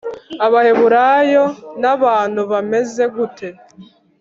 abaheburayo nabantu bameze gute